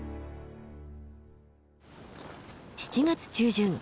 ７月中旬。